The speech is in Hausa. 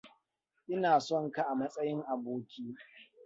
Ina son ka a matsayin aboki.